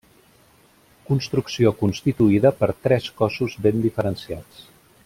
Construcció constituïda per tres cossos ben diferenciats.